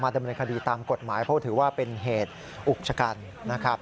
ดำเนินคดีตามกฎหมายเพราะถือว่าเป็นเหตุอุกชะกันนะครับ